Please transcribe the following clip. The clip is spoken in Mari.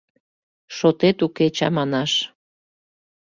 Шотет уке чаманаш.